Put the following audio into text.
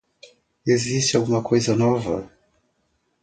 Existe alguma coisa nova?